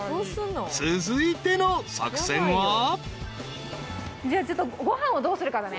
［続いての作戦は］